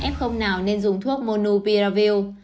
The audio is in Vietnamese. f nào nên dùng thuốc monupiravir